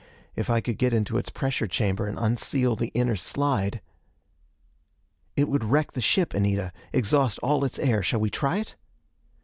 If I could get into its pressure chamber and unseal the inner slide.... "It would wreck the ship, Anita, exhaust all its air. Shall we try it?"